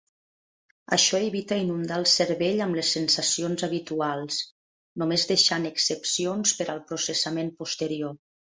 Això evita inundar el cervell amb les sensacions habituals, només deixant excepcions per al processament posterior.